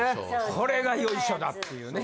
これがヨイショだっていうね